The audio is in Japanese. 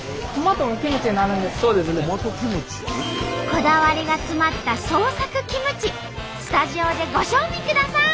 こだわりが詰まった創作キムチスタジオでご賞味ください！